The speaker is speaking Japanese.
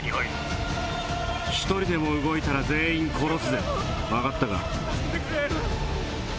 １人でも動いたら全員殺すぜ分かったか？